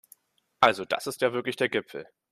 Also das ist ja wirklich der Gipfel